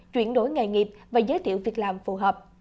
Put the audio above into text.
chuyển đổi nghề nghiệp và giới thiệu việc làm phù hợp